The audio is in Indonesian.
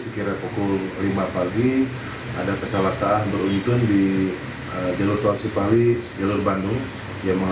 kronologi kecelakaan seperti apa den